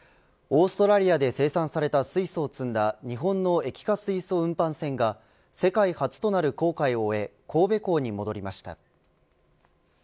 オーストラリアで生産された水素を積んだ日本の液化水素運搬船が世界初となる航海を終え神戸港に戻りました。